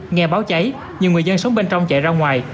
nghe báo cháy nhiều người dân sống bên trong chạy ra ngoài